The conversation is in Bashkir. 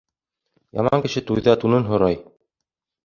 Яман кеше туйҙа тунын һорай.